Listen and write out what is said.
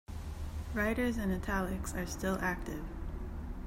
"Riders in italics are still active.